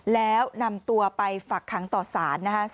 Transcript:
แล้วนำตัวไปฝักขังต่อสารนะคะ